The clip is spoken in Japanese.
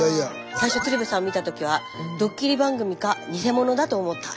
最初鶴瓶さん見た時はドッキリ番組か偽者だと思った。